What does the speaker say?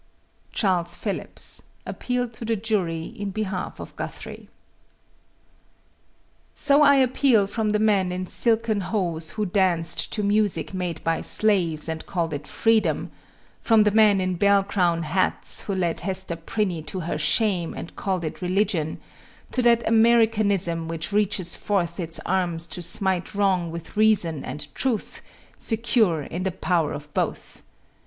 CHARLES PHILLIPS, Appeal to the jury in behalf of Guthrie. So I appeal from the men in silken hose who danced to music made by slaves and called it freedom, from the men in bell crown hats who led Hester Prynne to her shame and called it religion, to that Americanism which reaches forth its arms to smite wrong with reason and truth, secure in the power of both.